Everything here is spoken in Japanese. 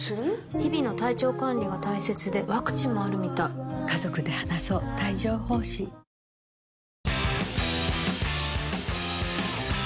日々の体調管理が大切でワクチンもあるみたいあでも。え！